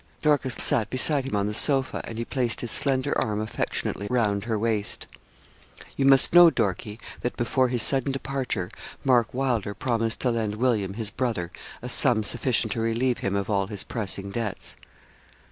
Dorcas sate beside him on the sofa, and he placed his slender arm affectionately round her waist. 'You must know, Dorkie, that before his sudden departure, Mark Wylder promised to lend William, his brother, a sum sufficient to relieve him of all his pressing debts.'